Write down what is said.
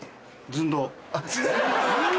寸胴？